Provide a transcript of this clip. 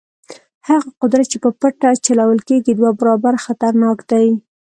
هغه قدرت چې په پټه چلول کېږي دوه برابره خطرناک دی.